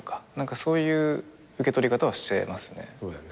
そういう受け取り方はしてますね。